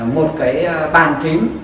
một cái bàn phím